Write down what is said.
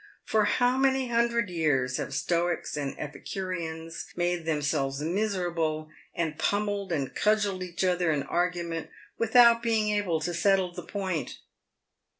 For how many hundred years have stoics and epicureans made themselves miserable, and pummelled and cud gelled each other in argument, without being able to settle the point?